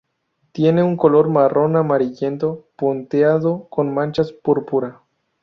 Tiene un color marrón amarillento punteado con manchas púrpura.